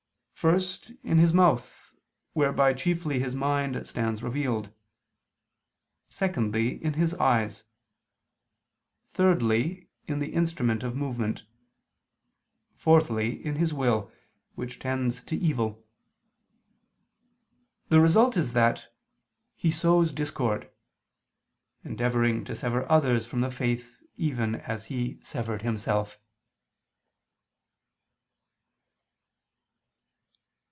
First, in his mouth, whereby chiefly his mind stands revealed; secondly, in his eyes; thirdly, in the instrument of movement; fourthly, in his will, which tends to evil. The result is that "he sows discord," endeavoring to sever others from the faith even as he severed himself.